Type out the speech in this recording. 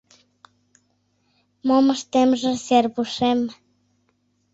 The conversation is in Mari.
Мом ыштемже, Сергушем?..